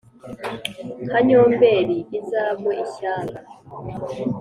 Nka Nyomberi izagwe ishyanga